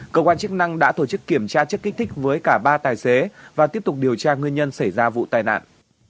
cơ quan chức năng đã tổ chức kiểm tra chất kích thích với cả ba tài xế và tiếp tục điều tra nguyên nhân xảy ra vụ tai nạn